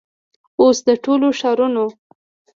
او س د ټولو ښارونو